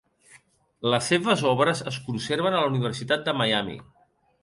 Les seves obres es conserven a la Universitat de Miami.